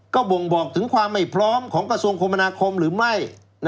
ก็บ่งบอกถึงความไม่พร้อมของกระทรวงคมนาคมหรือไม่